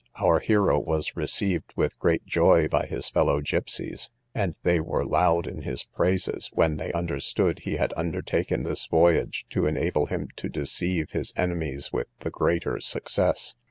Our hero was received with great joy by his fellow gipseys, and they were loud in his praises, when they understood he had undertaken this voyage to enable him to deceive his enemies with the greater success.